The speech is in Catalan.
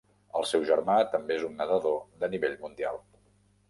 El seu germà també es un nadador de nivell mundial.